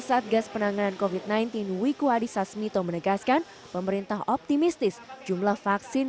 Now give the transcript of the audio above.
satgas penanganan kovid sembilan belas wikuwadi sasmito menegaskan pemerintah optimistis jumlah vaksin